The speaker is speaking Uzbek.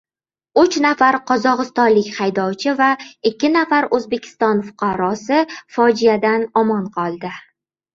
Uch nafar qozogʻistonlik haydovchi va ikki nafar Oʻzbekiston fuqarosi fojiadan omon qoldi.